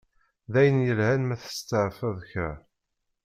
D ayen yelhan ma testeɛfaḍ kra.